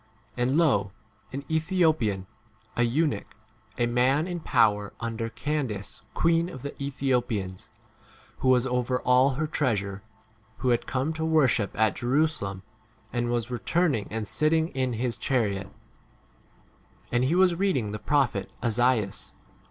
And lo, an Ethiopian, 7 a eunuch, a man in power under Candaee queen of the Ethiopians, who was over all her treasure, who had come to worship at Jerusalem, 28 and was returning and sitting in his chariot: and he was reading 29 the prophet Esaias.